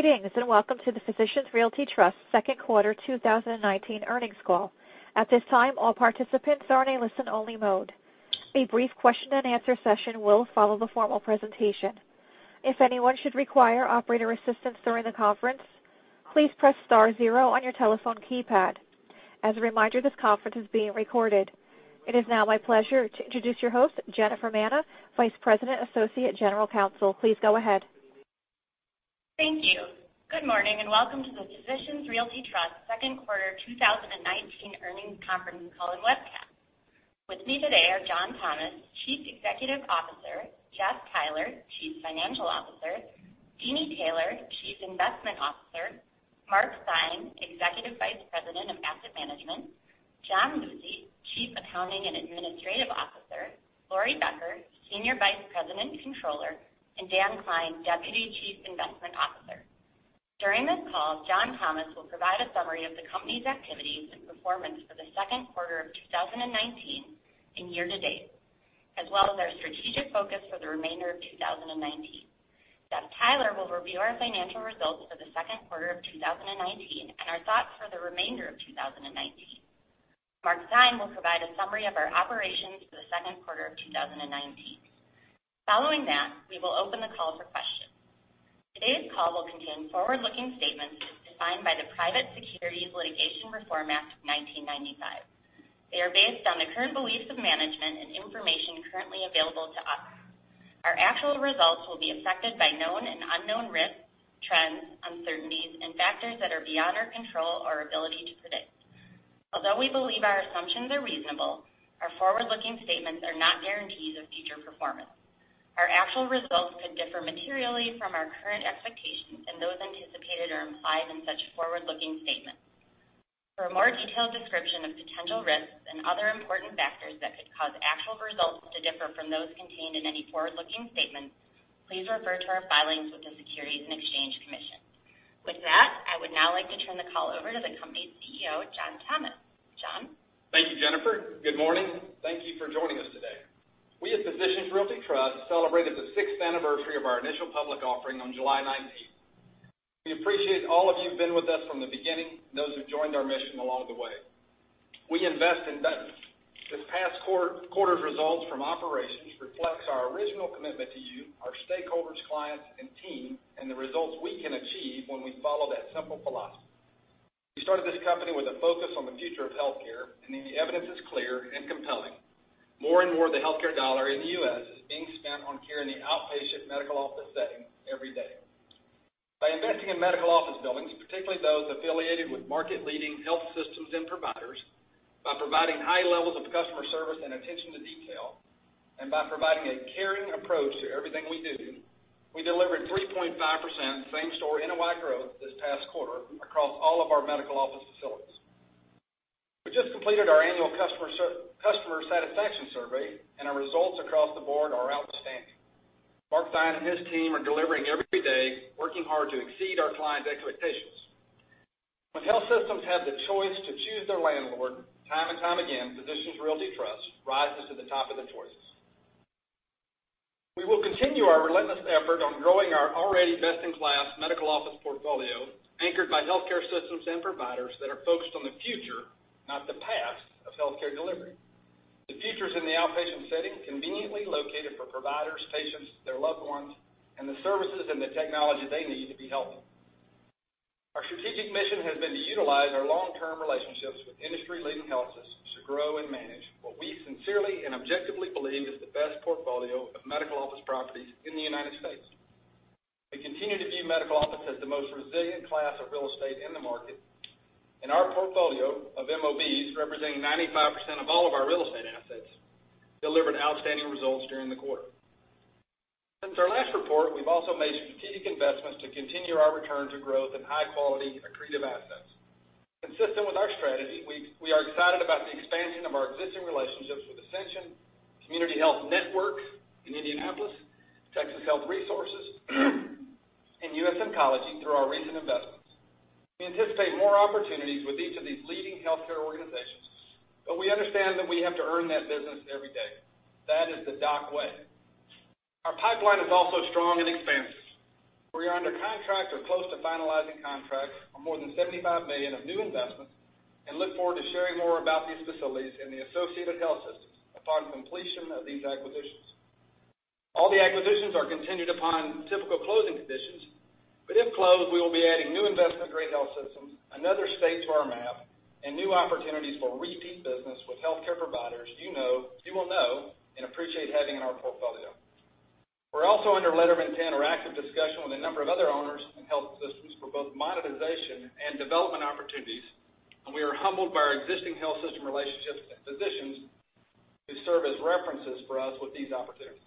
Greetings, welcome to the Physicians Realty Trust second quarter 2019 earnings call. At this time, all participants are in a listen-only mode. A brief question and answer session will follow the formal presentation. If anyone should require operator assistance during the conference, please press star zero on your telephone keypad. As a reminder, this conference is being recorded. It is now my pleasure to introduce your host, Jennifer Manna, Vice President, Associate General Counsel. Please go ahead. Thank you. Good morning, and welcome to the Physicians Realty Trust second quarter 2019 earnings conference call and webcast. With me today are John Thomas, Chief Executive Officer, Jeff Theiler, Chief Financial Officer, Deeni Taylor, Chief Investment Officer, Mark Theine, Executive Vice President of Asset Management, John Lucey, Chief Accounting and Administrative Officer, Laurie Becker, Senior Vice President and Controller, and Dan Klein, Deputy Chief Investment Officer. During this call, John Thomas will provide a summary of the company's activities and performance for the second quarter of 2019 and year-to-date, as well as our strategic focus for the remainder of 2019. Jeff Theiler will review our financial results for the second quarter of 2019 and our thoughts for the remainder of 2019. Mark Theine will provide a summary of our operations for the second quarter of 2019. Following that, we will open the call for questions. Today's call will contain forward-looking statements as defined by the Private Securities Litigation Reform Act of 1995. They are based on the current beliefs of management and information currently available to us. Our actual results will be affected by known and unknown risks, trends, uncertainties, and factors that are beyond our control or ability to predict. Although we believe our assumptions are reasonable, our forward-looking statements are not guarantees of future performance. Our actual results could differ materially from our current expectations and those anticipated or implied in such forward-looking statements. For a more detailed description of potential risks and other important factors that could cause actual results to differ from those contained in any forward-looking statements, please refer to our filings with the Securities and Exchange Commission. With that, I would now like to turn the call over to the company's CEO, John Thomas. John? Thank you, Jennifer. Good morning. Thank you for joining us today. We at Physicians Realty Trust celebrated the sixth anniversary of our initial public offering on July 19th. We appreciate all of you who've been with us from the beginning and those who've joined our mission along the way. We invest in business. This past quarter's results from operations reflects our original commitment to you, our stakeholders, clients, and team, and the results we can achieve when we follow that simple philosophy. We started this company with a focus on the future of healthcare, and the evidence is clear and compelling. More and more, the healthcare dollar in the U.S. is being spent on care in the outpatient medical office setting every day. By investing in medical office buildings, particularly those affiliated with market-leading health systems and providers, by providing high levels of customer service and attention to detail, and by providing a caring approach to everything we do, we delivered 3.5% same-store NOI growth this past quarter across all of our medical office facilities. We just completed our annual customer satisfaction survey, and our results across the board are outstanding. Mark Theine and his team are delivering every day, working hard to exceed our clients' expectations. When health systems have the choice to choose their landlord, time and time again, Physicians Realty Trust rises to the top of the choices. We will continue our relentless effort on growing our already best-in-class medical office portfolio, anchored by healthcare systems and providers that are focused on the future, not the past, of healthcare delivery. The future's in the outpatient setting, conveniently located for providers, patients, their loved ones, and the services and the technology they need to be healthy. Our strategic mission has been to utilize our long-term relationships with industry-leading health systems to grow and manage what we sincerely and objectively believe is the best portfolio of medical office properties in the U.S. We continue to view medical office as the most resilient class of real estate in the market. Our portfolio of MOBs, representing 95% of all of our real estate assets, delivered outstanding results during the quarter. Since our last report, we've also made strategic investments to continue our return to growth in high-quality, accretive assets. Consistent with our strategy, we are excited about the expansion of our existing relationships with Ascension, Community Health Network in Indianapolis, Texas Health Resources, and US Oncology through our recent investments. We anticipate more opportunities with each of these leading healthcare organizations, but we understand that we have to earn that business every day. That is the DOC way. Our pipeline is also strong and expansive. We are under contract or close to finalizing contracts on more than $75 million of new investments and look forward to sharing more about these facilities and the associated health systems upon completion of these acquisitions. All the acquisitions are contingent upon typical closing conditions, but if closed, we will be adding new investment-grade health systems, another state to our map, and new opportunities for repeat business with healthcare providers you will know and appreciate having in our portfolio. We're also under letter of intent or active discussion with a number of other owners and health systems for both monetization and development opportunities, and we are humbled by our existing health system relationships and physicians who serve as references for us with these opportunities.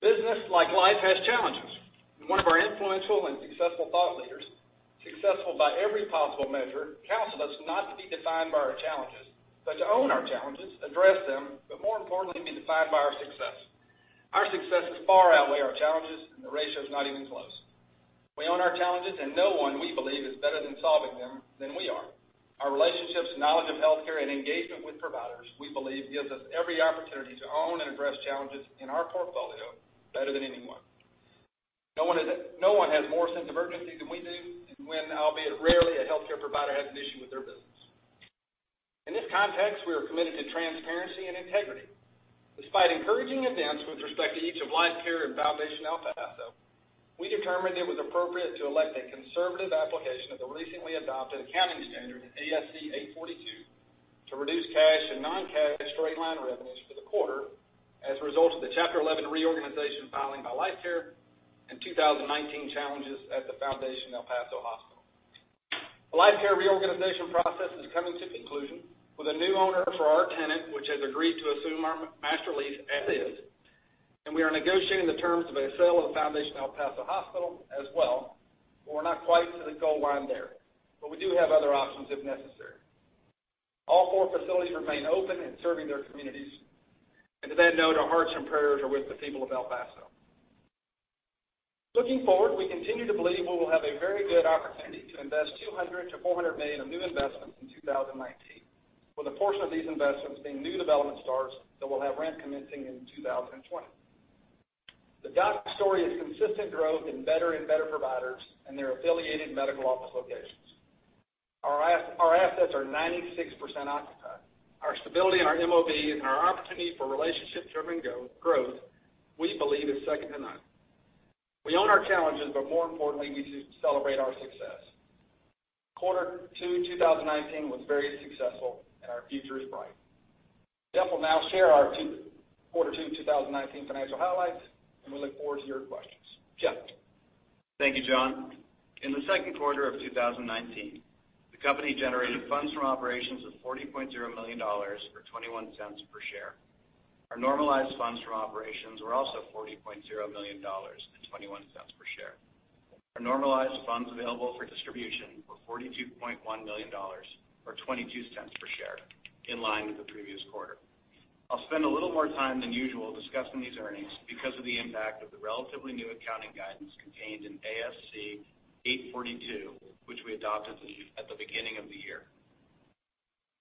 Business, like life, has challenges. One of our influential and successful thought leaders, successful by every possible measure, counseled us not to be defined by our challenges, but to own our challenges, address them, but more importantly, be defined by our success. Our successes far outweigh our challenges, and the ratio is not even close. We own our challenges, and no one, we believe, is better at solving them than we are. Our relationships, knowledge of healthcare, and engagement with providers, we believe, gives us every opportunity to own and address challenges in our portfolio better than anyone. No one has more sense of urgency than we do when, albeit rarely, a healthcare provider has an issue with their business. In this context, we are committed to transparency and integrity. Despite encouraging events with respect to each of Life Care and Foundation El Paso, we determined it was appropriate to elect a conservative application of the recently adopted accounting standard, ASC 842, to reduce cash and non-cash straight-line revenues for the quarter as a result of the Chapter 11 reorganization filing by Life Care and 2019 challenges at the Foundation El Paso Hospital. The Life Care reorganization process is coming to conclusion with a new owner for our tenant, which has agreed to assume our master lease as is, and we are negotiating the terms of a sale of the Foundation El Paso Hospital as well, but we're not quite to the goal line there. We do have other options if necessary. All four facilities remain open and serving their communities, and to that note, our hearts and prayers are with the people of El Paso. Looking forward, we continue to believe we will have a very good opportunity to invest $200 million-$400 million of new investments in 2019, with a portion of these investments being new development starts that will have rent commencing in 2020. The story is consistent growth in better and better providers and their affiliated medical office locations. Our assets are 96% occupied. Our stability in our MOB and our opportunity for relationship-driven growth, we believe, is second to none. We own our challenges, but more importantly, we celebrate our success. Quarter two 2019 was very successful and our future is bright. Jeff will now share our quarter two 2019 financial highlights, and we look forward to your questions. Jeff? Thank you, John. In the second quarter of 2019, the company generated funds from operations of $40.0 million or $0.21 per share. Our normalized funds from operations were also $40.0 million and $0.21 per share. Our normalized funds available for distribution were $42.1 million or $0.22 per share, in line with the previous quarter. I'll spend a little more time than usual discussing these earnings because of the impact of the relatively new accounting guidance contained in ASC 842, which we adopted at the beginning of the year.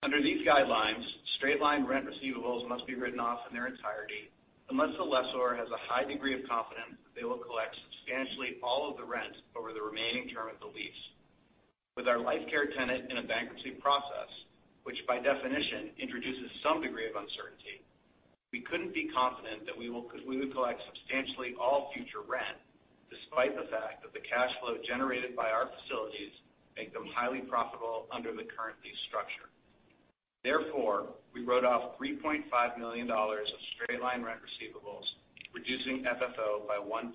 Under these guidelines, straight-line rent receivables must be written off in their entirety unless the lessor has a high degree of confidence that they will collect substantially all of the rent over the remaining term of the lease. With our Life Care tenant in a bankruptcy process, which by definition introduces some degree of uncertainty, we couldn't be confident that we would collect substantially all future rent, despite the fact that the cash flow generated by our facilities make them highly profitable under the current lease structure. We wrote off $3.5 million of straight-line rent receivables, reducing FFO by $0.018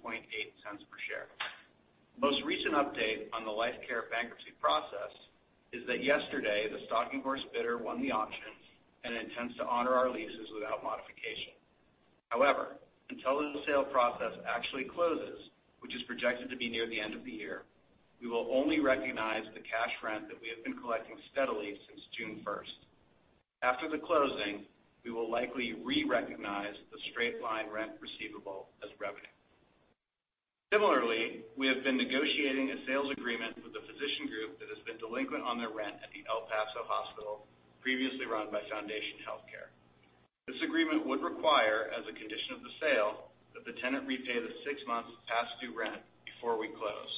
per share. Most recent update on the Life Care bankruptcy process is that yesterday, the stalking horse bidder won the auction and intends to honor our leases without modification. Until the sale process actually closes, which is projected to be near the end of the year, we will only recognize the cash rent that we have been collecting steadily since June 1st. After the closing, we will likely re-recognize the straight-line rent receivable as revenue. Similarly, we have been negotiating a sales agreement with a physician group that has been delinquent on their rent at the El Paso Hospital, previously run by Foundation Healthcare. This agreement would require, as a condition of the sale, that the tenant repay the six months past due rent before we close.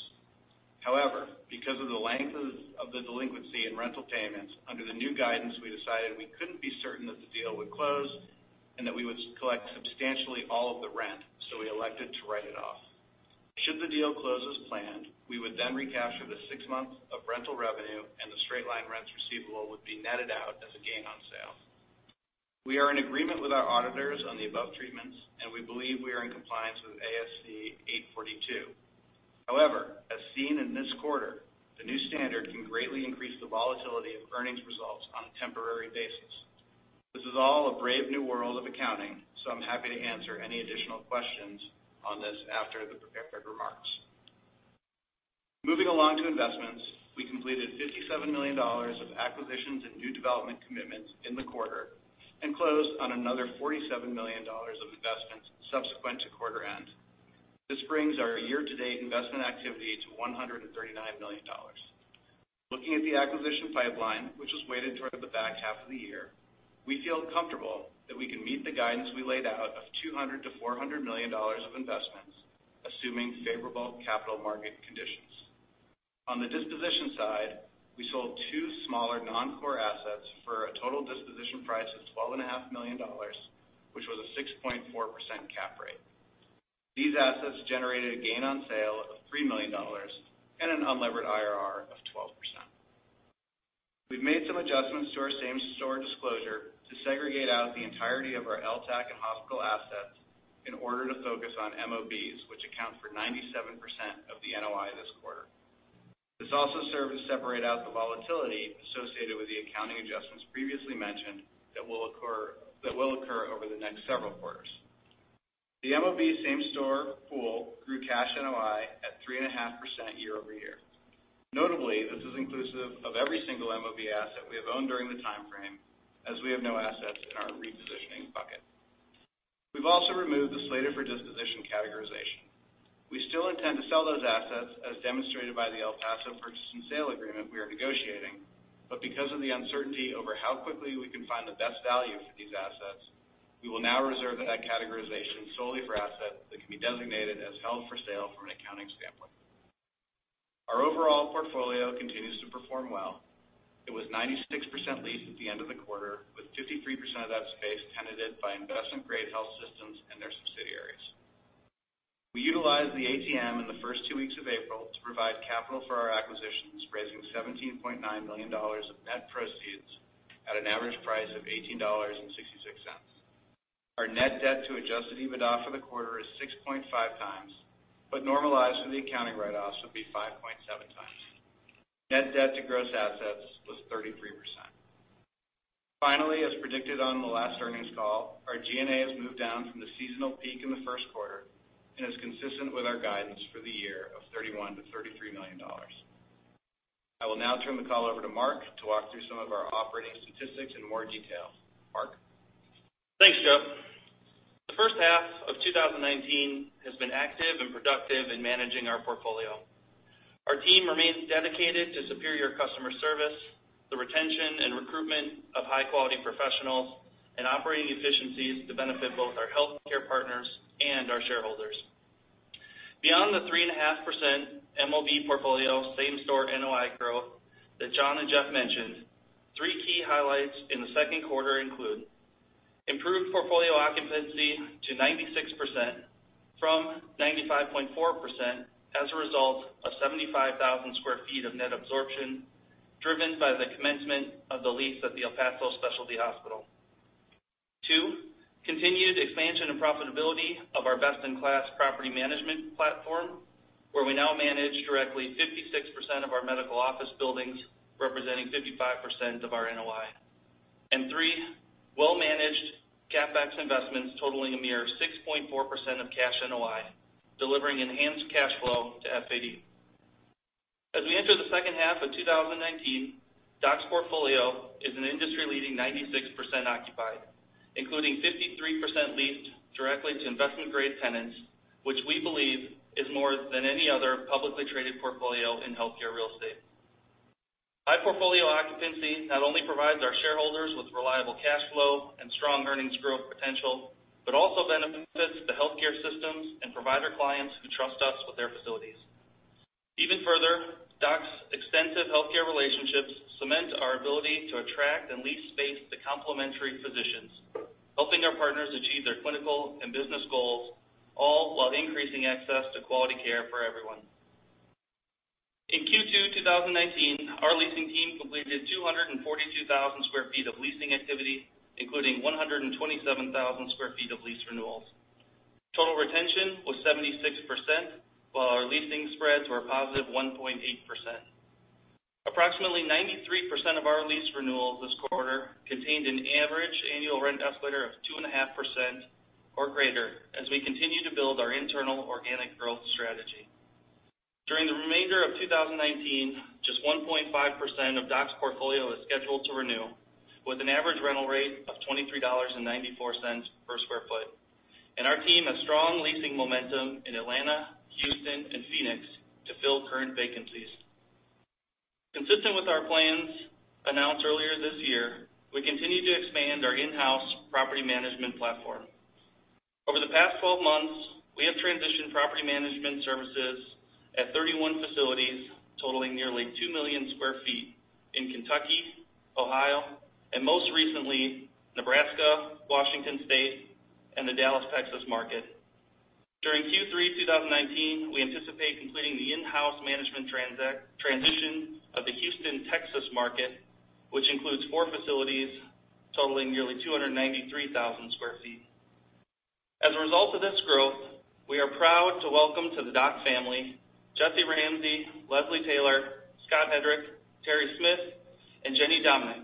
However, because of the length of the delinquency in rental payments, under the new guidance we decided we couldn't be certain that the deal would close and that we would collect substantially all of the rent, so we elected to write it off. Should the deal close as planned, we would then recapture the six months of rental revenue, and the straight-line rents receivable would be netted out as a gain on sale. We are in agreement with our auditors on the above treatments, and we believe we are in compliance with ASC 842. However, as seen in this quarter, the new standard can greatly increase the volatility of earnings results on a temporary basis. This is all a brave new world of accounting, so I'm happy to answer any additional questions on this after the prepared remarks. Moving along to investments, we completed $57 million of acquisitions and new development commitments in the quarter and closed on another $47 million of investments subsequent to quarter end. This brings our year-to-date investment activity to $139 million. Looking at the acquisition pipeline, which is weighted toward the back half of the year, we feel comfortable that we can meet the guidance we laid out of $200 million-$400 million of investments, assuming favorable capital market conditions. On the disposition side, we sold two smaller non-core assets for a total disposition price of $12.5 million, which was a 6.4% cap rate. These assets generated a gain on sale of $3 million and an unlevered IRR of 12%. We've made some adjustments to our same-store disclosure to segregate out the entirety of our LTAC and hospital assets in order to focus on MOBs, which account for 97% of the NOI this quarter. This also served to separate out the volatility associated with the accounting adjustments previously mentioned that will occur over the next several quarters. The MOB same store pool grew cash NOI at 3.5% year over year. Notably, this is inclusive of every single MOB asset we have owned during the timeframe, as we have no assets in our repositioning bucket. We've also removed the slated for disposition categorization. We still intend to sell those assets, as demonstrated by the El Paso purchase and sale agreement we are negotiating, but because of the uncertainty over how quickly we can find the best value for these assets, we will now reserve that categorization solely for assets that can be designated as held for sale from an accounting standpoint. Our overall portfolio continues to perform well. It was 96% leased at the end of the quarter, with 53% of that space tenanted by investment-grade health systems and their subsidiaries. We utilized the ATM in the first two weeks of April to provide capital for our acquisitions, raising $17.9 million of net proceeds at an average price of $18.66. Our net debt to adjusted EBITDA for the quarter is 6.5x, but normalized for the accounting write-offs would be 5.7x. Net debt to gross assets was 33%. Finally, as predicted on the last earnings call, our G&A has moved down from the seasonal peak in the first quarter and is consistent with our guidance for the year of $31 million-$33 million. I will now turn the call over to Mark to walk through some of our operating statistics in more detail. Mark? Thanks, Jeff. The first half of 2019 has been active and productive in managing our portfolio. Our team remains dedicated to superior customer service, the retention and recruitment of high-quality professionals, and operating efficiencies to benefit both our healthcare partners and our shareholders. Beyond the 3.5% MOB portfolio same-store NOI growth that John and Jeff mentioned, three key highlights in the second quarter include improved portfolio occupancy to 96%, from 95.4%, as a result of 75,000 sq ft of net absorption, driven by the commencement of the lease at the El Paso Specialty Hospital. 2, continued expansion and profitability of our best-in-class property management platform, where we now manage directly 56% of our medical office buildings, representing 55% of our NOI. 3, well-managed CapEx investments totaling a mere 6.4% of cash NOI, delivering enhanced cash flow to FAD. As we enter the second half of 2019, DOC's portfolio is an industry-leading 96% occupied, including 53% leased directly to investment-grade tenants, which we believe is more than any other publicly traded portfolio in healthcare real estate. High portfolio occupancy not only provides our shareholders with reliable cash flow and strong earnings growth potential, but also benefits the healthcare systems and provider clients who trust us with their facilities. Even further, DOC's extensive healthcare relationships cement our ability to attract and lease space to complementary physicians, helping our partners achieve their clinical and business goals, all while increasing access to quality care for everyone. In Q2 2019, our leasing team completed 242,000 square feet of leasing activity, including 127,000 square feet of lease renewals. Total retention was 76%, while our leasing spreads were a positive 1.8%. Approximately 93% of our lease renewals this quarter contained an average annual rent escalator of 2.5% or greater as we continue to build our internal organic growth strategy. During the remainder of 2019, just 1.5% of DOC's portfolio is scheduled to renew, with an average rental rate of $23.94 per square foot. Our team has strong leasing momentum in Atlanta, Houston, and Phoenix to fill current vacancies. Consistent with our plans announced earlier this year, we continue to expand our in-house property management platform. Over the past 12 months, we have transitioned property management services at 31 facilities totaling nearly 2 million square feet in Kentucky, Ohio, and most recently Nebraska, Washington State, and the Dallas, Texas market. During Q3 2019, we anticipate completing the in-house management transition of the Houston, Texas market, which includes four facilities totaling nearly 293,000 square feet. As a result of this growth, we are proud to welcome to the DOC family Jesse Ramsey, Leslie Taylor, Scott Hedrick, Terry Smith, and Jenny Dominic.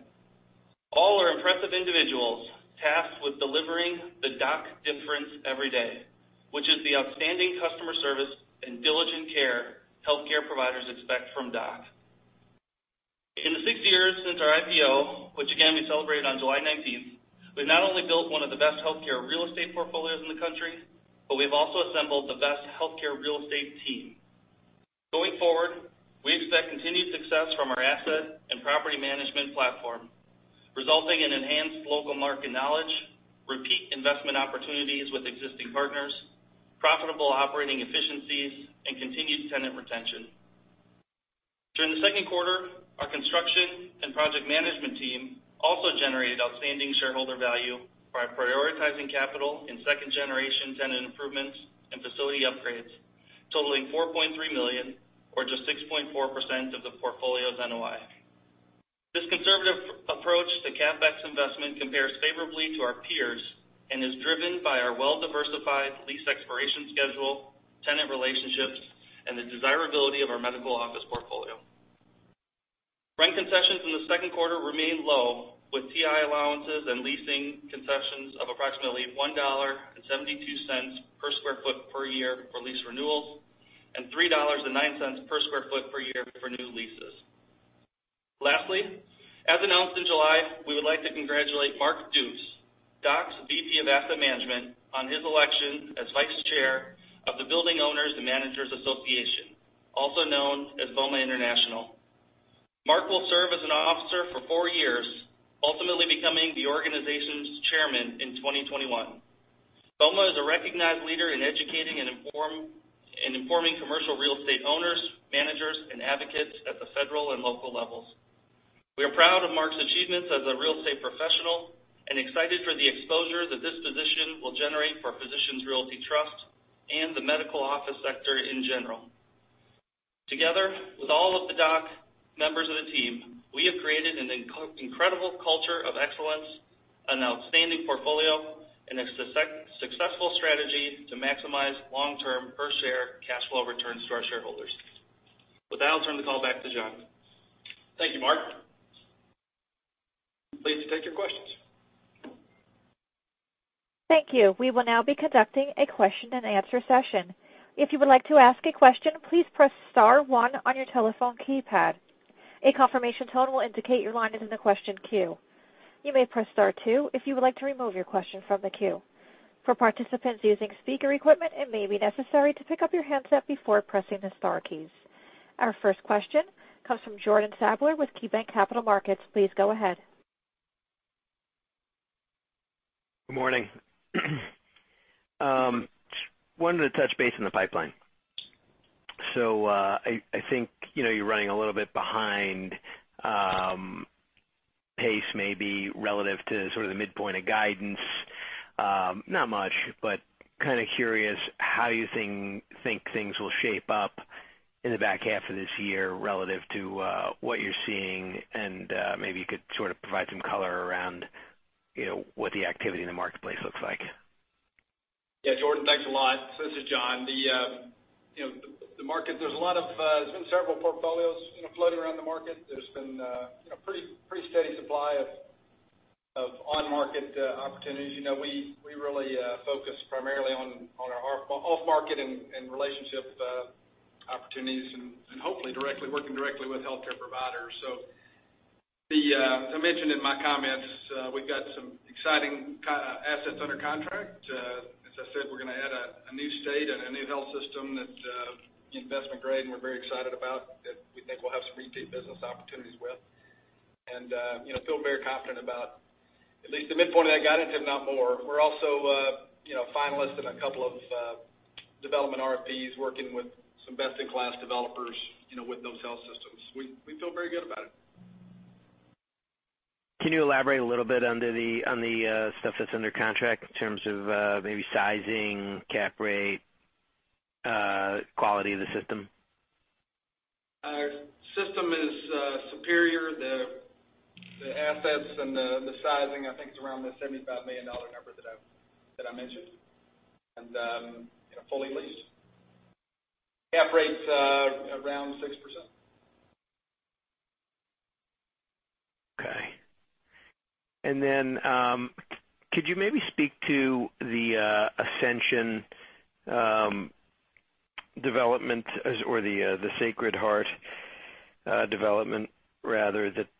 All are impressive individuals tasked with delivering the DOC difference every day, which is the outstanding customer service and diligent care healthcare providers expect from DOC. In the six years since our IPO, which again, we celebrated on July 19th, we've not only built one of the best healthcare real estate portfolios in the country, but we've also assembled the best healthcare real estate team. Going forward, we expect continued success from our asset and property management platform, resulting in enhanced local market knowledge, repeat investment opportunities with existing partners, profitable operating efficiencies, and continued tenant retention. During the second quarter, our construction and project management team also generated outstanding shareholder value by prioritizing capital in second-generation tenant improvements and facility upgrades totaling $4.3 million or just 6.4% of the portfolio's NOI. This conservative approach to CapEx investment compares favorably to our peers and is driven by our well-diversified lease expiration schedule, tenant relationships, and the desirability of our medical office portfolio. Rent concessions in the second quarter remained low, with TI allowances and leasing concessions of approximately $1.72 per square foot per year for lease renewals and $3.09 per square foot per year for new leases. Lastly, as announced in July, we would like to congratulate Mark Dukes, DOC's VP of Asset Management, on his election as Vice Chair of the Building Owners and Managers Association, also known as BOMA International. Mark will serve as an officer for four years, ultimately becoming the organization's chairman in 2021. BOMA is a recognized leader in educating and informing commercial real estate owners, managers, and advocates at the federal and local levels. We are proud of Mark's achievements as a real estate professional and excited for the exposure that this position will generate for Physicians Realty Trust and the medical office sector in general. Together with all of the DOC members of the team, we have created an incredible culture of excellence, an outstanding portfolio, and a successful strategy to maximize long-term per share cash flow returns to our shareholders. With that, I'll turn the call back to John. Thank you, Mark. Pleased to take your questions. Thank you. We will now be conducting a question and answer session. If you would like to ask a question, please press star one on your telephone keypad. A confirmation tone will indicate your line is in the question queue. You may press star two if you would like to remove your question from the queue. For participants using speaker equipment, it may be necessary to pick up your handset before pressing the star keys. Our first question comes from Jordan Sadler with KeyBanc Capital Markets. Please go ahead. Good morning. I wanted to touch base on the pipeline. I think you're running a little bit behind pace, maybe, relative to sort of the midpoint of guidance. Not much, but kind of curious how you think things will shape up in the back half of this year relative to what you're seeing, and maybe you could sort of provide some color around what the activity in the marketplace looks like? Yeah, Jordan. Thanks a lot. This is John. There's been several portfolios floating around the market. There's been a pretty steady supply of on-market opportunities. We really focus primarily on our off-market and relationship opportunities, and hopefully, working directly with healthcare providers. As I mentioned in my comments, we've got some exciting assets under contract. As I said, we're gonna add a new state and a new health system that's investment grade, and we're very excited about, that we think we'll have some repeat business opportunities with. Feel very confident about at least the midpoint of that guidance, if not more. We're also finalists in a couple of development RFPs, working with some best-in-class developers, with those health systems. We feel very good about it. Can you elaborate a little bit on the stuff that's under contract in terms of maybe sizing, cap rate, quality of the system? Our system is superior. The assets and the sizing, I think, is around the $75 million number that I mentioned, and fully leased. Cap rate's around 6%. Okay. Could you maybe speak to the Ascension development, or the Sacred Heart development rather, that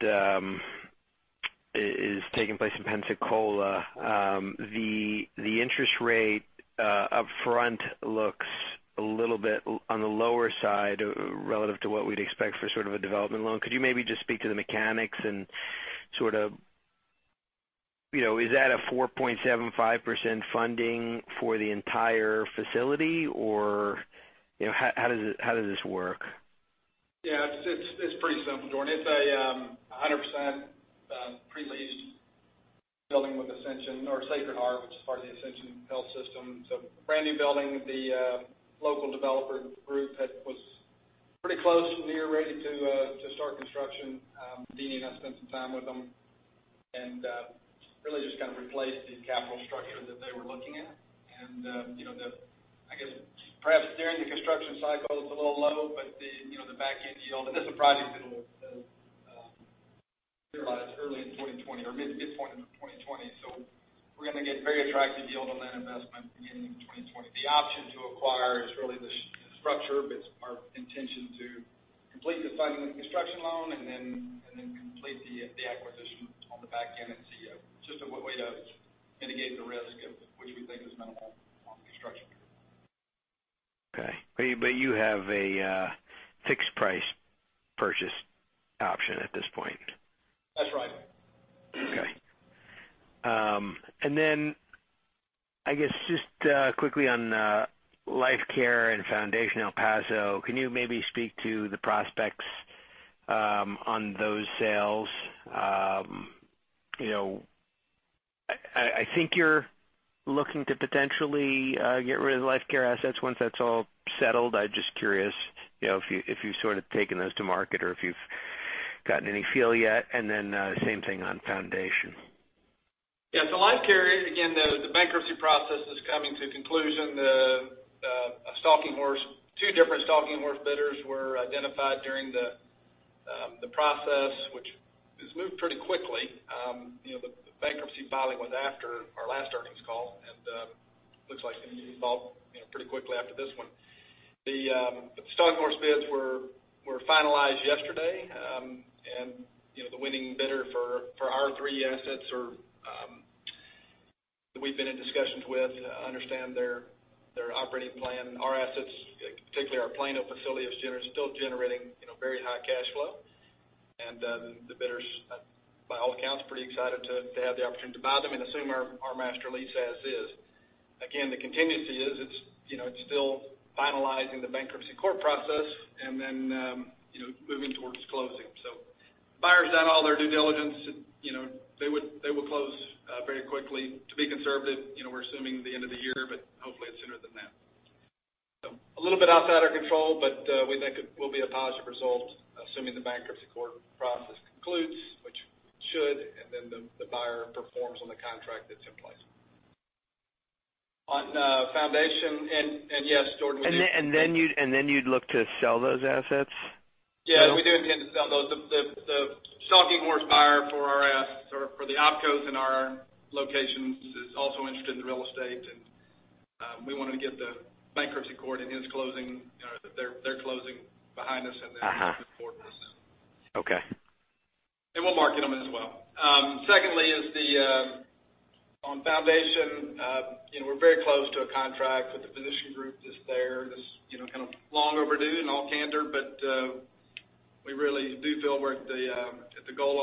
is taking place in Pensacola? The interest rate upfront looks a little bit on the lower side relative to what we'd expect for sort of a development loan. Could you maybe just speak to the mechanics, is that a 4.75% funding for the entire facility? How does this work? Yeah. It's pretty simple, Jordan. It's a 100% pre-leased building with Ascension or Sacred Heart, which is part of the Ascension Health system. Brand-new building. The local developer group was pretty close to being ready to start construction. Deeni and I spent some time with them, and really just kind of replaced the capital structure that they were looking at. I guess perhaps during the construction cycle, it's a little low, but the back-end yield, and this is a project that'll materialize early in 2020 or midpoint in 2020. We're gonna get very attractive yield on that investment beginning in 2020. The option to acquire is really the structure, but it's our intention to complete the funding of the construction loan and then complete the acquisition on the back end. It's just a way to mitigate the risk of which we think is minimal on the construction period. Okay. You have a fixed price purchase option at this point? That's right. Okay. I guess, just quickly on Life Care and Foundation El Paso, can you maybe speak to the prospects on those sales? I think you're looking to potentially get rid of the Life Care assets once that's all settled. I'm just curious if you've sort of taken those to market or if you've gotten any feel yet, same thing on Foundation. Yeah. Life Care, again, the bankruptcy process is coming to conclusion. Two different stalking horse bidders were identified during the process, which has moved pretty quickly. The bankruptcy filing was after our last earnings call, looks like it'll be involved pretty quickly after this one. The stalking horse bids were finalized yesterday. The winning bidder for our three assets that we've been in discussions with, understand their operating plan. Our assets, particularly our Plano facility, is still generating very high cash flow. The bidders, by all accounts, pretty excited to have the opportunity to buy them and assume our master lease as is. Again, the contingency is it's still finalizing the bankruptcy court process and then moving towards closing. Buyers done all their due diligence. They will close very quickly. To be conservative, we're assuming the end of the year, hopefully it's sooner than that. A little bit outside our control, but we think it will be a positive result, assuming the bankruptcy court process concludes, which it should, and then the buyer performs on the contract that's in place. On Foundation, and yes, Jordan. You'd look to sell those assets? Yeah, we do intend to sell those. The stalking horse buyer for our assets or for the Opcos in our locations, is also interested in the real estate, and we want to get the bankruptcy court and their closing behind us. move forward with them. Okay. We'll market them as well. Secondly, on Foundation, we're very close to a contract with the physician group that's there. That's kind of long overdue in all candor, but we really do feel we're at the goal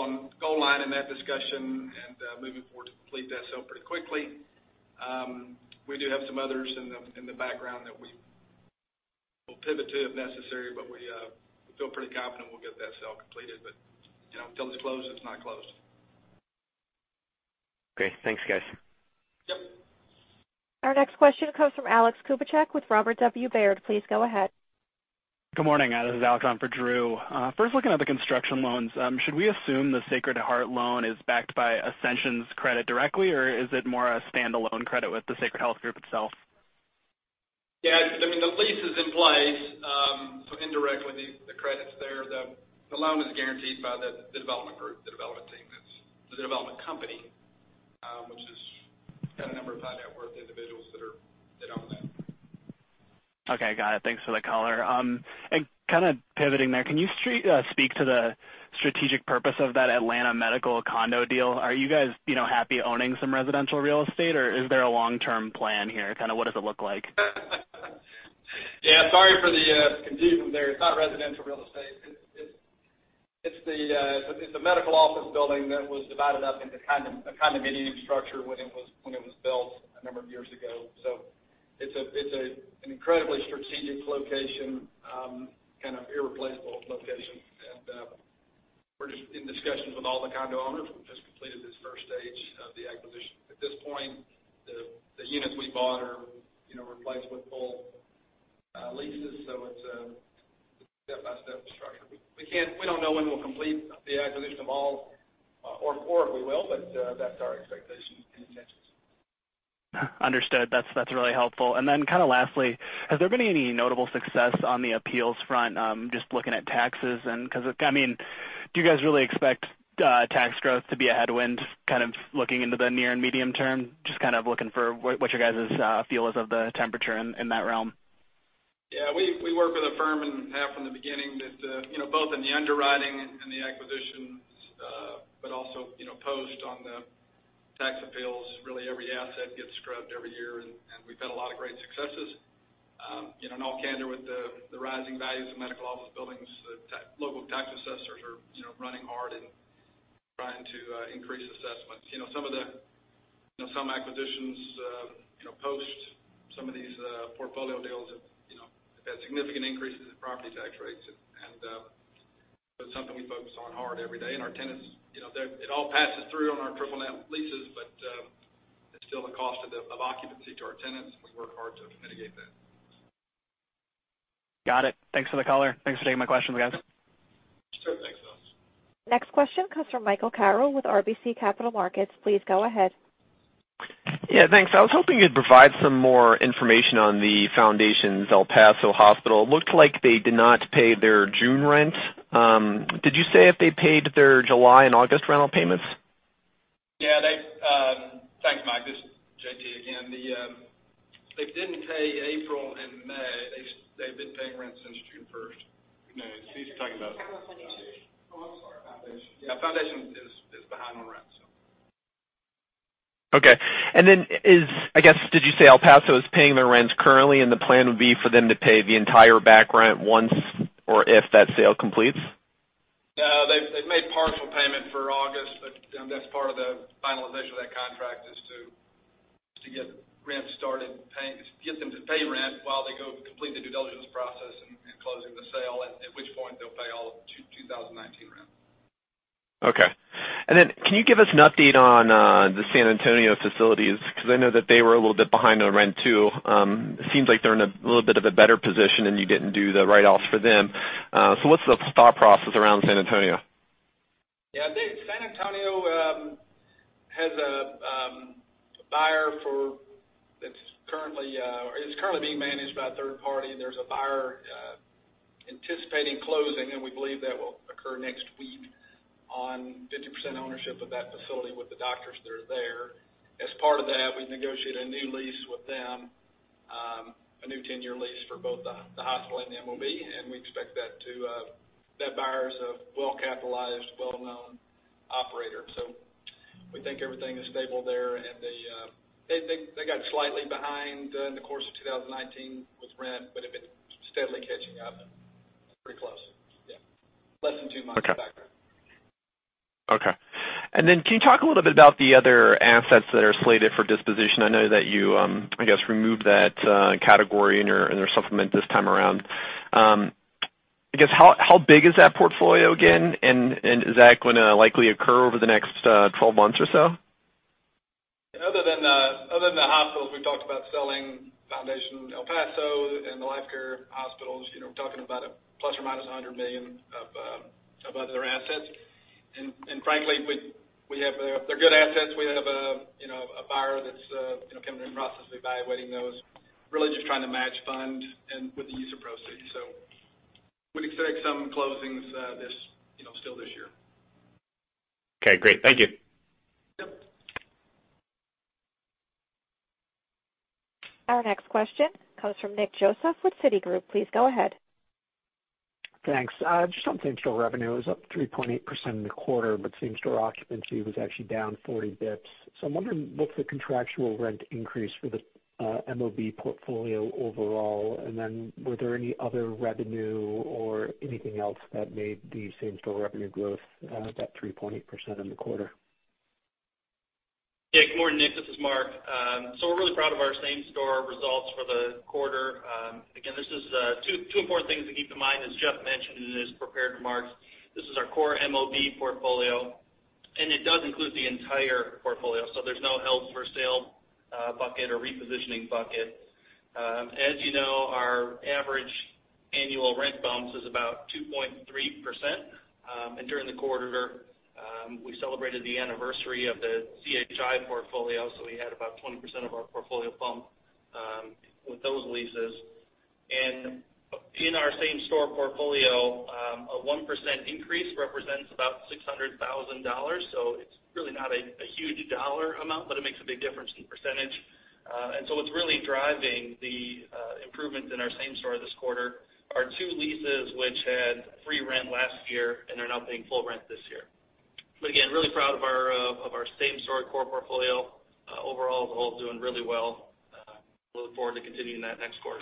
line in that discussion and moving forward to complete that sale pretty quickly. We do have some others in the background that we will pivot to if necessary, but we feel pretty confident we'll get that sale completed. Until it's closed, it's not closed. Okay. Thanks, guys. Yep. Our next question comes from Alex Kubicek with Robert W. Baird. Please go ahead. Good morning. This is Alex on for Drew. First, looking at the construction loans, should we assume the Sacred Heart loan is backed by Ascension's credit directly, or is it more a standalone credit with the Sacred Heart group itself? Yeah, the lease is in place, so indirectly the credit's there. The loan is guaranteed by the development group, the development team, the development company, which has got a number of high-net-worth individuals that own that. Okay, got it. Thanks for the color. Kind of pivoting there, can you speak to the strategic purpose of that Atlanta medical condo deal? Are you guys happy owning some residential real estate, or is there a long-term plan here? What does it look like? Yeah, sorry for the confusion there. It's not residential real estate. It's a medical office building that was divided up into a condominium structure when it was built a number of years ago. It's an incredibly strategic location, kind of irreplaceable location. We're just in discussions with all the condo owners. We've just completed this 1st stage of the acquisition. At this point, the units we bought are replaced with full leases, it's a step-by-step structure. We don't know when we'll complete the acquisition of all, or if we will, that's our expectation and intentions. Understood. That's really helpful. Then kind of lastly, has there been any notable success on the appeals front? Do you guys really expect tax growth to be a headwind, kind of looking into the near and medium term? Just kind of looking for what your guys' feel is of the temperature in that realm. We work with a firm and have from the beginning that both in the underwriting and the acquisitions, but also post on the tax appeals, really every asset gets scrubbed every year, and we've had a lot of great successes. In all candor with the rising values of medical office buildings, the local tax assessors are running hard and trying to increase assessments. Some acquisitions post some of these portfolio deals have had significant increases in property tax rates, and that's something we focus on hard every day. Our tenants, it all passes through on our triple net leases, but it's still a cost of occupancy to our tenants, and we work hard to mitigate that. Got it. Thanks for the color. Thanks for taking my questions, guys. Sure thing, Alex. Next question comes from Michael Carroll with RBC Capital Markets. Please go ahead. Yeah, thanks. I was hoping you'd provide some more information on the Foundation Healthcare's El Paso Specialty Hospital. Looked like they did not pay their June rent. Did you say if they paid their July and August rental payments? Yeah. Thanks, Mike. This is JT again. They didn't pay April and May. They've been paying rent since June 1st. Capital Foundation. Oh, I'm sorry. Foundation. Yeah, Foundation is behind on rent. Okay. I guess, did you say El Paso is paying their rents currently, and the plan would be for them to pay the entire back rent once or if that sale completes? No, they've made partial payment for August, but that's part of the finalization of that contract is to get rent started, get them to pay rent while they go complete the due diligence process and closing the sale, at which point they'll pay all of 2019 rent. Okay. Can you give us an update on the San Antonio facilities? I know that they were a little bit behind on rent, too. It seems like they're in a little bit of a better position, and you didn't do the write-offs for them. What's the thought process around San Antonio? San Antonio has a buyer that's currently being managed by a third party. There's a buyer anticipating closing, and we believe that will occur next week on 50% ownership of that facility with the doctors that are there. As part of that, we negotiate a new lease with them, a new 10-year lease for both the hospital and MOB. We expect that buyer's a well-capitalized, well-known operator. We think everything is stable there. They got slightly behind in the course of 2019 with rent, but have been steadily catching up. Pretty close. Less than two months back. Okay. Can you talk a little bit about the other assets that are slated for disposition? I know that you, I guess, removed that category in your supplement this time around. I guess, how big is that portfolio again? Is that going to likely occur over the next 12 months or so? Other than the hospitals we've talked about selling, Foundation El Paso and the Life Care hospitals, we're talking about $±100 million of other assets. Frankly, they're good assets. We have a buyer that's coming in the process of evaluating those, really just trying to match funds and with the use of proceeds. We'd expect some closings still this year. Okay, great. Thank you. Yep. Our next question comes from Nick Joseph with Citigroup. Please go ahead. Thanks. Just on same-store revenue, it was up 3.8% in the quarter, but same-store occupancy was actually down 40 basis points. I'm wondering, what's the contractual rent increase for the MOB portfolio overall? Were there any other revenue or anything else that made the same-store revenue growth that 3.8% in the quarter? Good morning, Nick. This is Mark. We're really proud of our same-store results for the quarter. Again, two important things to keep in mind, as Jeff mentioned in his prepared remarks, this is our core MOB portfolio, and it does include the entire portfolio. There's no held-for-sale bucket or repositioning bucket. As you know, our average annual rent bumps is about 2.3%, and during the quarter, we celebrated the anniversary of the CHI portfolio, we had about 20% of our portfolio bump with those leases. In our same-store portfolio, a 1% increase represents about $600,000. It's really not a huge dollar amount, but it makes a big difference in percentage. What's really driving the improvements in our same store this quarter are two leases, which had free rent last year, and they're now paying full rent this year. Again, really proud of our same-store core portfolio. Overall, it's all doing really well. We look forward to continuing that next quarter.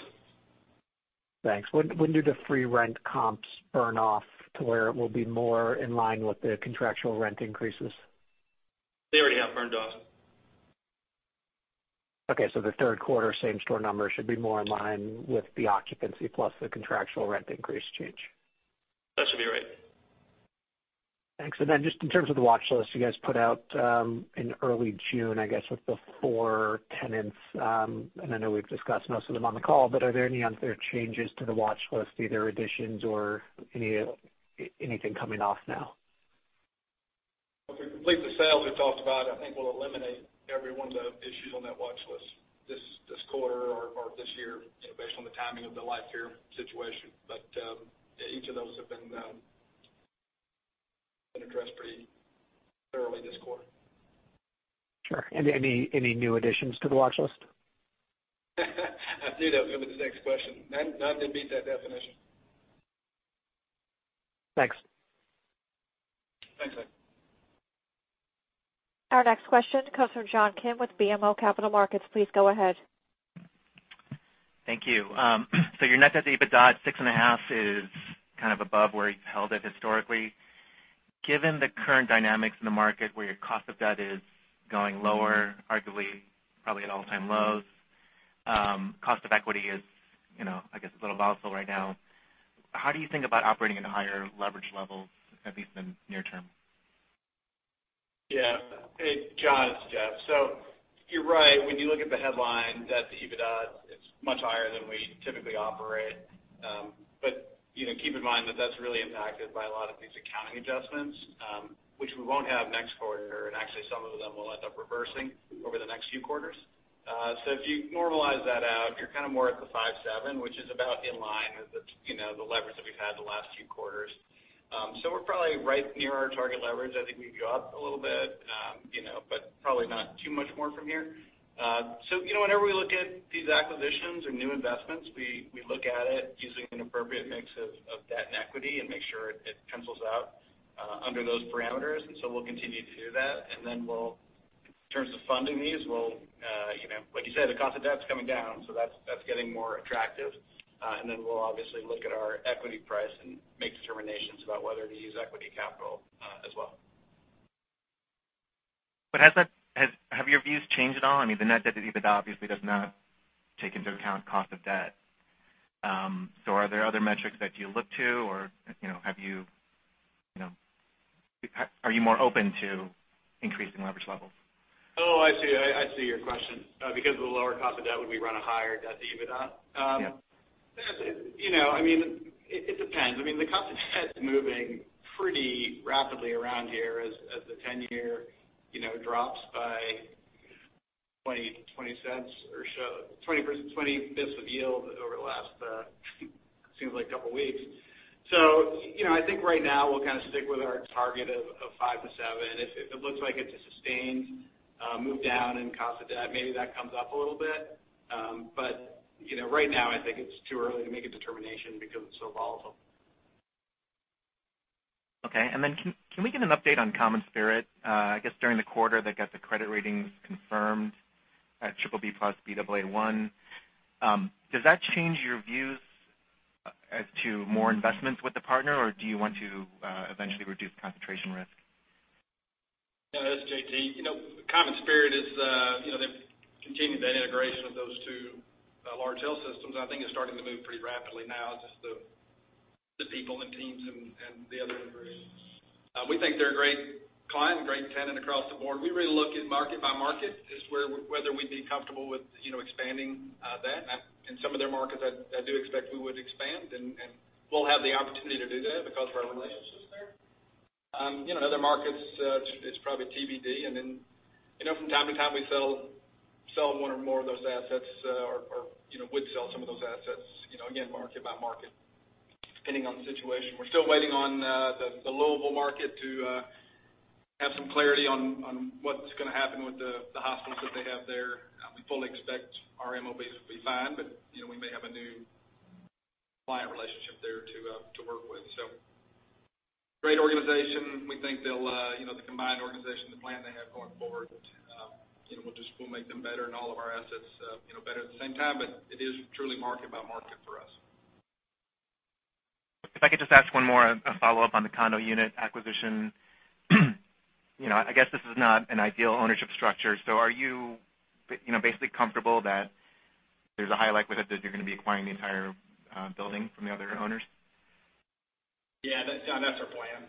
Thanks. When do the free rent comps burn off to where it will be more in line with the contractual rent increases? They already have burned off. Okay, the third quarter same-store numbers should be more in line with the occupancy plus the contractual rent increase change. That should be right. Thanks. Then just in terms of the watchlist you guys put out in early June, I guess, with the four tenants, and I know we've discussed most of them on the call, are there any other changes to the watchlist, either additions or anything coming off now? If we complete the sales we've talked about, I think we'll eliminate every one of the issues on that watchlist this quarter or this year, based on the timing of the Life Care situation. Each of those have been addressed pretty thoroughly this quarter. Sure. Any new additions to the watchlist? I knew that was the next question. None didn't meet that definition. Thanks. Thanks, Nick. Our next question comes from John Kim with BMO Capital Markets. Please go ahead. Thank you. Your net debt to EBITDA at 6.5 is kind of above where you've held it historically. Given the current dynamics in the market where your cost of debt is going lower, arguably probably at all-time lows, cost of equity is, I guess a little volatile right now, how do you think about operating at a higher leverage level, at least in near-term? Yeah. John, it's Jeff. You're right. When you look at the headline debt to EBITDA, it's much higher than we typically operate. Keep in mind that that's really impacted by a lot of these accounting adjustments, which we won't have next quarter, and actually some of them will end up reversing over the next few quarters. If you normalize that out, you're kind of more at the 5.7, which is about in line with the leverage that we've had the last few quarters. We're probably right near our target leverage. I think we can go up a little bit, but probably not too much more from here. Whenever we look at these acquisitions or new investments, we look at it using an appropriate mix of debt and equity and make sure it pencils out under those parameters. We'll continue to do that. Then in terms of funding these, like you said, the cost of debt's coming down, so that's getting more attractive. Then we'll obviously look at our equity price and make determinations about whether to use equity capital as well. Have your views changed at all? I mean, the net debt to EBITDA obviously does not take into account cost of debt. Are there other metrics that you look to or are you more open to increasing leverage levels? Oh, I see your question. Because of the lower cost of debt, would we run a higher debt to EBITDA? Yeah. It depends. The cost of debt's moving pretty rapidly around here as the 10-year drops by $0.20 or so, 20 basis points of yield over the last, it seems like couple of weeks. I think right now we'll kind of stick with our target of five to seven. If it looks like it's a sustained move down in cost of debt, maybe that comes up a little bit. Right now, I think it's too early to make a determination because it's so volatile. Okay. Can we get an update on CommonSpirit? I guess during the quarter, they got the credit ratings confirmed at triple B plus, Baa1. Does that change your views as to more investments with the partner, or do you want to eventually reduce concentration risk? Yeah, this is JT. CommonSpirit, they've continued that integration of those two large health systems, and I think it's starting to move pretty rapidly now. It's just the people and teams and the other integration. We think they're a great client and great tenant across the board. We really look at market by market as whether we'd be comfortable with expanding that. In some of their markets, I do expect we would expand, and we'll have the opportunity to do that because of our relationships there. Other markets, it's probably TBD. From time to time, we sell one or more of those assets, or would sell some of those assets, again, market by market, depending on the situation. We're still waiting on the Louisville market to have some clarity on what's going to happen with the hospitals that they have there. We fully expect our MOBs will be fine, but we may have a new client relationship there to work with. Great organization. We think the combined organization, the plan they have going forward, will make them better and all of our assets better at the same time. It is truly market by market for us. If I could just ask one more, a follow-up on the condo unit acquisition. I guess this is not an ideal ownership structure. Are you basically comfortable that there's a high likelihood that you're going to be acquiring the entire building from the other owners? Yeah, that's our plan.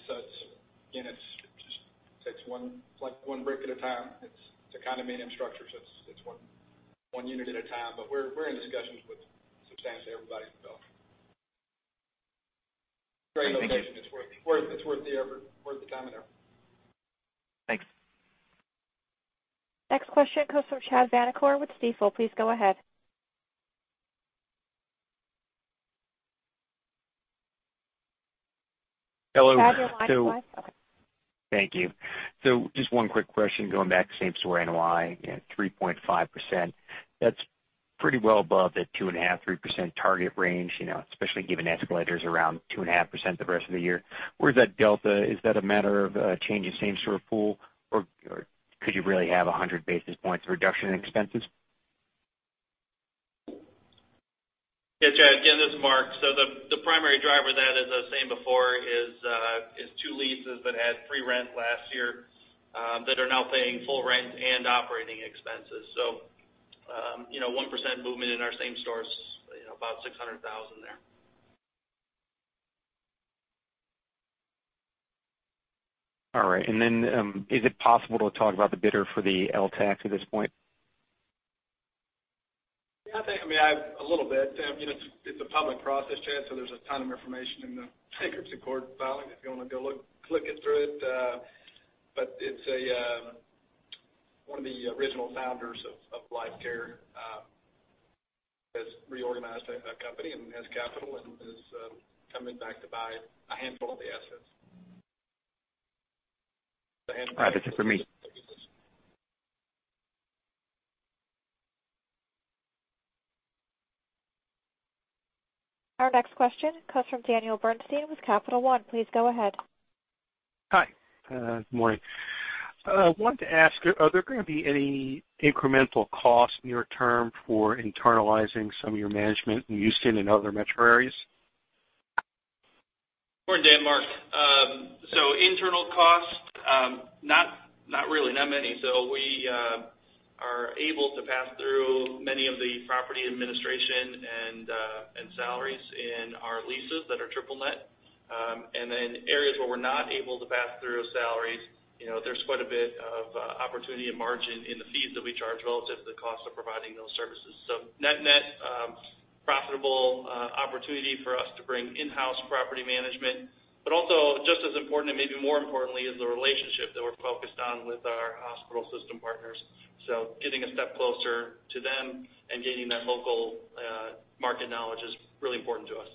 It's one brick at a time. It's a condominium structure, so it's one unit at a time. We're in discussions with substantially everybody in the building. Great location. Thank you. It's worth the effort, worth the time and effort. Thanks. Next question comes from Chad Vanacore with Stifel. Please go ahead. Hello. Chad, your line is live. Okay. Thank you. Just one quick question, going back, same store NOI at 3.5%. That's pretty well above the 2.5%-3% target range, especially given escalators around 2.5% the rest of the year. Where is that delta? Is that a matter of a change in same store pool, or could you really have 100 basis points reduction in expenses? Yeah, Chad, again, this is Mark. The primary driver of that, as I was saying before, is two leases that had free rent last year that are now paying full rent and operating expenses. 1% movement in our same stores, about $600,000 there. All right. Is it possible to talk about the bidder for the LTAC at this point? Yeah, I think a little bit. It's a public process, Chad, so there's a ton of information in the bankruptcy court filing, if you want to go look, clicking through it. It's one of the original founders of Life Care, has reorganized a company and has capital and is coming back to buy a handful of the assets. All right. That's it for me. Our next question comes from Daniel Bernstein with Capital One. Please go ahead. Hi, good morning. I wanted to ask, are there going to be any incremental costs near-term for internalizing some of your management in Houston and other metro areas? Morning, Dan. Mark. Internal costs, not really, not many. We are able to pass through many of the property administration and salaries in our leases that are triple net. Areas where we're not able to pass through salaries, there's quite a bit of opportunity and margin in the fees that we charge relative to the cost of providing those services. Net/net, profitable opportunity for us to bring in-house property management, but also just as important and maybe more importantly, is the relationship that we're focused on with our hospital system partners. Getting a step closer to them and gaining that local market knowledge is really important to us.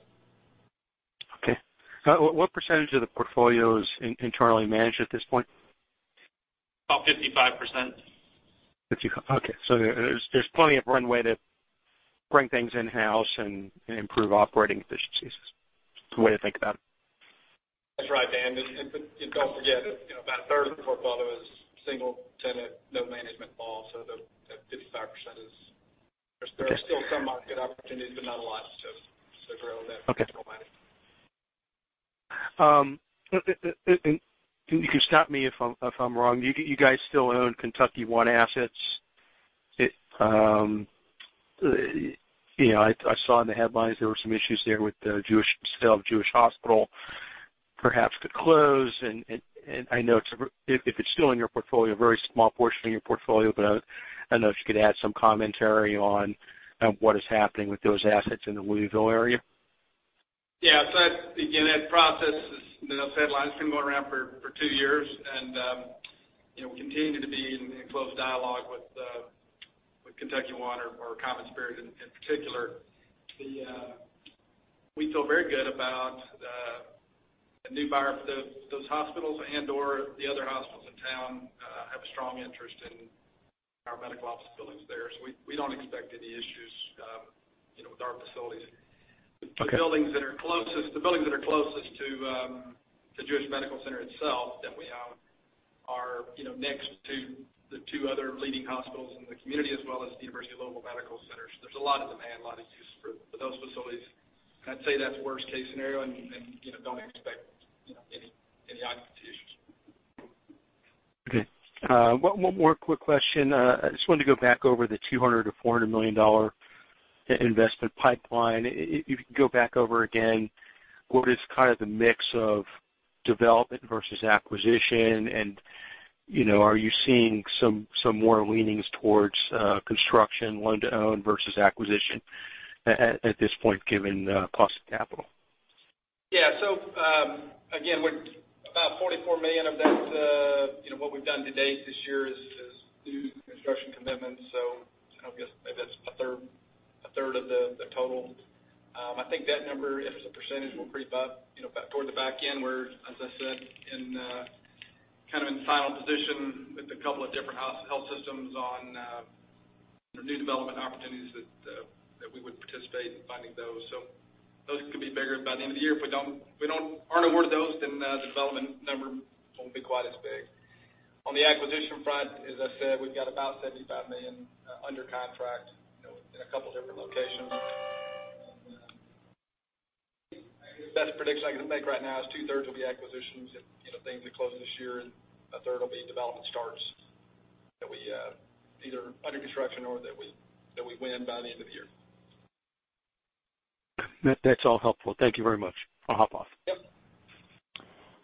Okay. What % of the portfolio is internally managed at this point? About 55%. Okay. There's plenty of runway to bring things in-house and improve operating efficiencies, is the way to think about it. That's right, Dan. Don't forget, about a third of the portfolio is single tenant, no management involved. That 55% is- Okay there's still some market opportunity, but not a lot to sort of grow that. Okay. You can stop me if I'm wrong. Do you guys still own KentuckyOne Health assets? I saw in the headlines there were some issues there with the sale of Jewish Hospital perhaps to close, and I know if it's still in your portfolio, a very small portion of your portfolio, but I don't know if you could add some commentary on what is happening with those assets in the Louisville area. Again, that process has been a headline. It's been going around for two years. We continue to be in close dialogue with KentuckyOne Health or CommonSpirit in particular. We feel very good about a new buyer for those hospitals, and/or the other hospitals in town have a strong interest in our medical office buildings there. We don't expect any issues with our facilities. The buildings that are closest to the Jewish Hospital itself that we own are next to the two other leading hospitals in the community, as well as the University of Louisville Hospital. There's a lot of demand, a lot of use for those facilities. I'd say that's worst-case scenario, and don't expect any occupancy issues. Okay. One more quick question. I just wanted to go back over the $200 million-$400 million investment pipeline. If you could go back over again, what is kind of the mix of development versus acquisition, and are you seeing some more leanings towards construction, lend-to-own versus acquisition at this point, given the cost of capital? Again, about $44 million of that, what we've done to date this year is new construction commitments. I guess maybe that's a third of the total. I think that number as a percentage will creep up toward the back end. We're, as I said, kind of in final position with a couple of different health systems on new development opportunities that we would participate in funding those. Those could be bigger by the end of the year. If we aren't awarded those, then the development number won't be quite as big. On the acquisition front, as I said, we've got about $75 million under contract in a couple different locations. The best prediction I can make right now is two-thirds will be acquisitions if things are closing this year, and a third will be development starts that we either under construction or that we win by the end of the year. That's all helpful. Thank you very much. I'll hop off. Yep.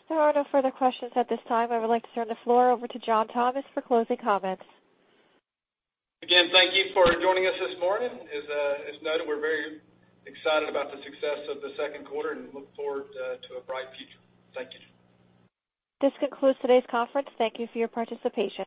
There are no further questions at this time. I would like to turn the floor over to John Thomas for closing comments. Again, thank you for joining us this morning. As noted, we're very excited about the success of the second quarter and look forward to a bright future. Thank you. This concludes today's conference. Thank you for your participation.